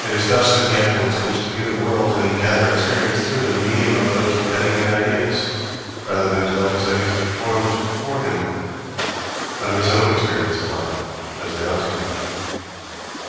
It is thus that he afterwards comes to view the world and gather experience through the medium of those ready made ideas, rather than to let his ideas be formed for him out of his own experience of life, as they ought to be.